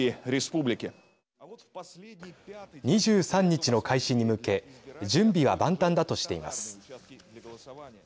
２３日の開始に向け準備は万端だとしています。